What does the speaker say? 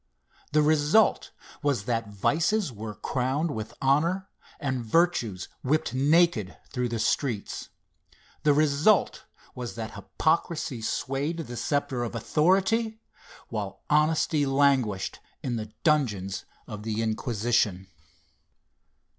The result was that vices were crowned with honor, and virtues whipped naked through the streets. The result was that hypocrisy swayed the sceptre of authority, while honesty languished in the dungeons of the Inquisition.